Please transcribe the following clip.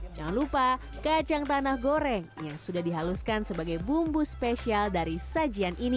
jangan lupa kacang tanah goreng yang sudah dihaluskan sebagai bumbu spesial dari sajian ini